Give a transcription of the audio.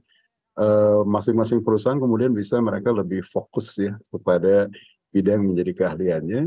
maksudnya masing masing perusahaan kemudian bisa mereka lebih fokus ya kepada bidang menjadi keahliannya